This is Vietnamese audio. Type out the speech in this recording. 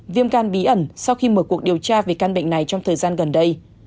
viêm gan bí ẩn sau khi mở cuộc điều tra về căn bệnh này trong thời gian gần đây